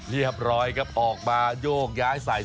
เรียบร้อยครับออกมาโยกย้ายใส่